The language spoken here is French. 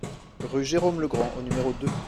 Rue Jérome Legrand au numéro deux